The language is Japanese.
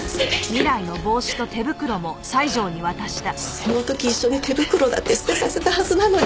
その時一緒に手袋だって捨てさせたはずなのに。